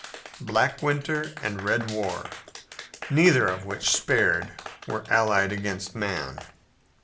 Black winter and red war, neither of which spared, were allied against man.